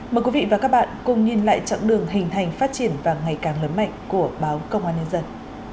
mời quý vị và các bạn cùng nhìn lại chặng đường hình thành phát triển và ngày càng lớn mạnh của báo công an nhân dân